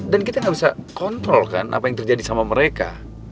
dan kita gak bisa kontrolkan apa yang terjadi sama mereka